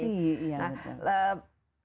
zat besi iya betul